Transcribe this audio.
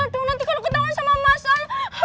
aduh nanti kalau ketahuan sama masa